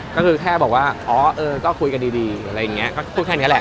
ก็คือแค่บอกว่าอ๋อเออก็คุยกันดีอะไรอย่างนี้ก็พูดแค่นี้แหละ